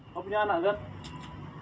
kau punya anak gak